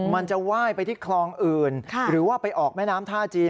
มันจะไหว้ไปที่คลองอื่นหรือว่าไปออกแม่น้ำท่าจีน